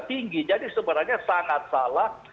tinggi jadi sebenarnya sangat salah